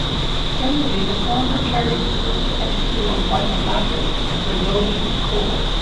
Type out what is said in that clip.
Generally, the former carried food and fuel while the latter were loaded with coal.